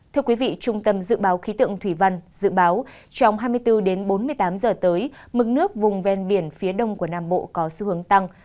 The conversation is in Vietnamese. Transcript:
thưa quý vị trung tâm dự báo khí tượng thủy văn dự báo trong hai mươi bốn đến bốn mươi tám giờ tới mực nước vùng ven biển phía đông của nam bộ có xu hướng tăng